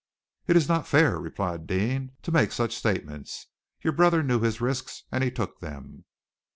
"It is not fair," replied Deane, "to make such statements. Your brother knew his risks, and he took them."